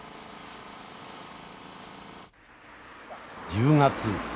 １０月。